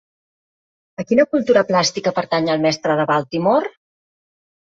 A quina cultura plàstica pertany el Mestre de Baltimore?